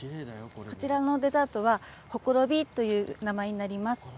こちらのデザートは「ほころび」という名前になります。